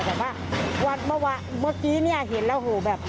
แต่ว่าเมื่อกี้เห็นแล้วโอ้โฮแบบ